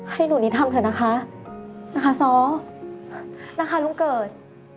ให้หนูนิดทำเถอะนะคะนะคะสอนะคะลุงเกิร์ต